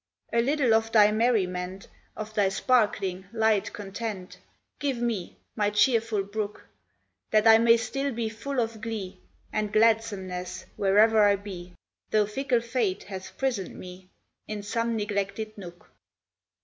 A little of thy merriment, Of thy sparkling, light content, Give me, my cheerful brook, That I may still be full of glee And gladsomeness, where'er I be, Though fickle fate hath prisoned me In some neglected nook.